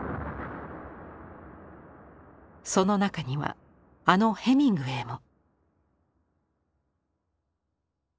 その中にはあのヘミングウェイも。